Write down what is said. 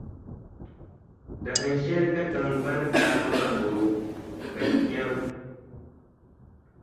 Dahinshɛli ka Tiŋgbani daa to sakɔro ka di kpɛmi.